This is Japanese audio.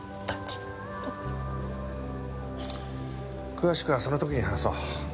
詳しくはその時に話そう。